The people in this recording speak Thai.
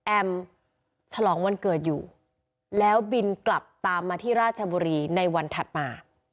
ฉลองวันเกิดอยู่แล้วบินกลับตามมาที่ราชบุรีในวันถัดมา